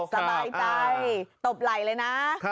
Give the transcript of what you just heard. สบายใจตบไหล่เลยนะ